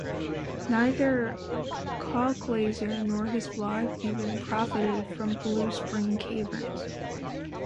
Neither Colglazier nor his wife ever profited from Bluespring Caverns.